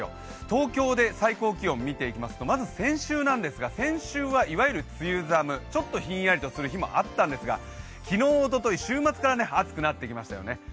東京で最高気温見ていきますとまず先週なんですが先週はいわゆる梅雨寒、ちょっとひんやりする日もあったんですが昨日、おととい、週末から暑くなってきましたよね。